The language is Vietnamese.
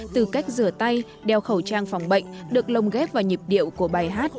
từ cách rửa tay đeo khẩu trang phòng bệnh được lồng ghép vào nhịp điệu của bài hát